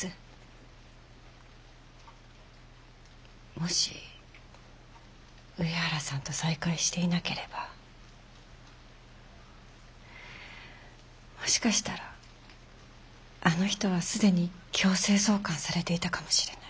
もし上原さんと再会していなければもしかしたらあの人は既に強制送還されていたかもしれない。